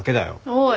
おい！